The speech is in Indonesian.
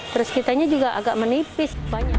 terus kitanya juga agak menipis